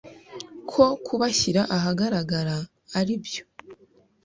ko kubashyira ahagaragara aribyo